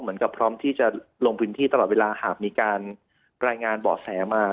พร้อมกับพร้อมที่จะลงพื้นที่ตลอดเวลาหากมีการรายงานเบาะแสมา